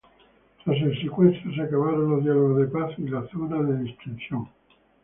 Tras el secuestro se acabaron los diálogos de paz y la zona de distensión.